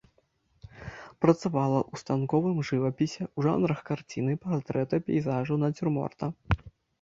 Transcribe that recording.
Працавала ў станковым жывапісе ў жанрах карціны, партрэта, пейзажу, нацюрморта.